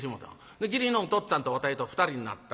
で義理のおとっつぁんとわたいと２人になったんだ。